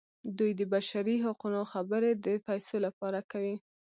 دوی د بشري حقونو خبرې د پیسو لپاره کوي.